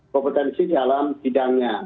kompetensi dalam bidangnya